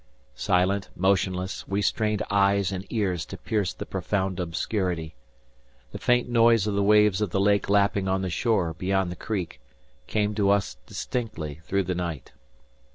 Silent, motionless, we strained eyes and ears to pierce the profound obscurity. The faint noise of the waves of the lake lapping on the shore beyond the creek, came to us distinctly through the night.